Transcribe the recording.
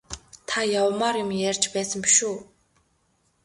Та явмаар юм ярьж байсан биш үү?